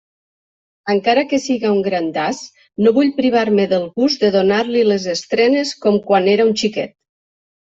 Encara que siga un grandàs, no vull privar-me del gust de donar-li les estrenes com quan era un xiquet.